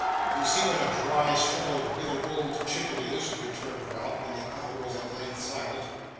'You see what a dry, shrivelled, withered old chip it is,' returned Ralph, when the other was at length silent.